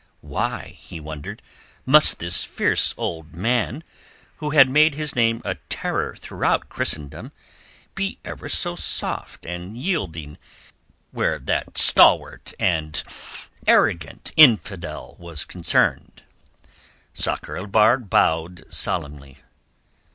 Why, he wondered, must this fierce old man, who had made his name a terror throughout Christendom, be ever so soft and yielding where that stalwart and arrogant infidel was concerned? Sakr el Bahr bowed solemnly.